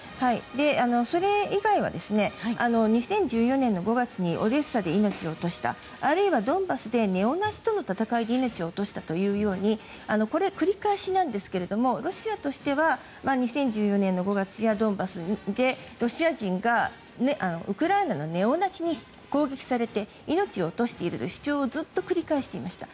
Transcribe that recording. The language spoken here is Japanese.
それ以外は２０１４年５月にオデーサで命を落としたあるいはドンバスでネオナチとの戦いで命を落としたというようにこれは繰り返しなんですがロシアとしては２０１４年の５月ドンバスでロシア人がウクライナのネオナチに攻撃されて命を落としているという主張をずっと繰り返していました。